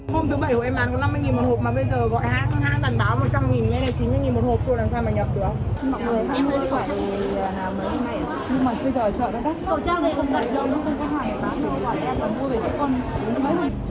hôm thứ bảy hồi em bán có năm mươi một hộp